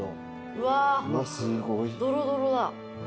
うわドロドロだ。